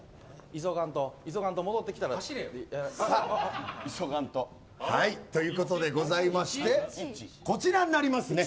急がんと、戻ってきたら。ということでございましてこちらになりますね。